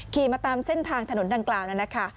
ขี่มาตามเส้นทางถนนด้านกลางนั้นนะคะ